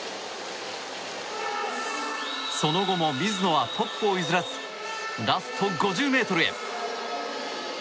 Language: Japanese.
その後も水野はトップを譲らずラスト５０ｍへ。